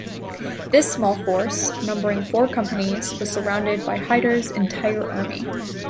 This small force, numbering four companies, was surrounded by Hyder's entire army.